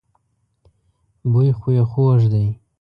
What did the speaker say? بوی خو يې خوږ دی.